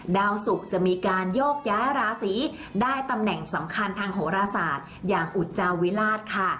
ดาวสุกจะมีการโยกย้ายราศีได้ตำแหน่งสำคัญทางโหรศาสตร์อย่างอุจจาวิราชค่ะ